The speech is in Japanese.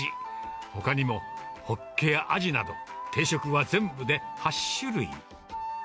ほかにもホッケやアジなど、定食は全部で８種類。